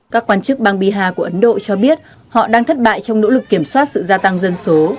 các quan chức bang bihar của ấn độ cho biết họ đang thất bại trong nỗ lực kiểm soát sự gia tăng dân số